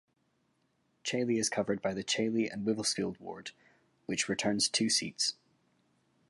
Chailey is covered by the Chailey and Wivelsfield ward which returns two seats.